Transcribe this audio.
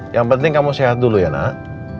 yang penting kamu sehat dulu ya nak